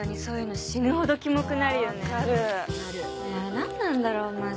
何なんだろうマジ。